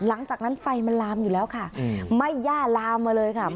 หลังจากนั้นไฟมันลามอยู่แล้วค่ะไม่ย่าลามมาเลยค่ะ